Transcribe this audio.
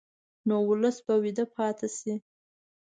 نو ولس به ویده پاتې شي.